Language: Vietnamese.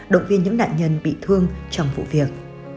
động viên những nạn nhân bị thương trong vụ việc